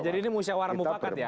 jadi ini musyawarah mufakat ya